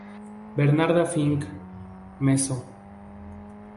Bernarda Fink, mezzo.